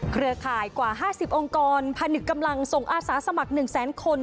เครือข่ายกว่า๕๐องค์กรพนึกกำลังส่งอาสาสมัคร๑แสนคน